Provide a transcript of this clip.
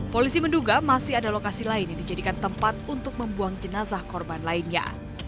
polisi menduga masih ada lokasi lain yang dijadikan tempat untuk membuang jenazah korban lainnya